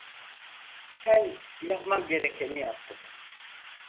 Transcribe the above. Sen yapman gerekeni yaptın.